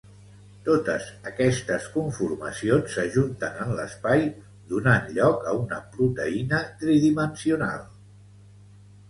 Totes aquestes conformacions s’ajunten en l’espai donant lloc a una proteïna tridimensional.